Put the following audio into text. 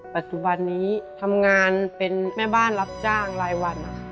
ปัจจุบันนี้ทำงานเป็นแม่บ้านรับจ้างรายวัน